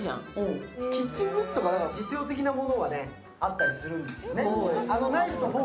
キッチングッズとか実用的なものがあったりするんですよね。